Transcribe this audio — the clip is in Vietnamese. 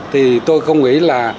thì tôi không nghĩ là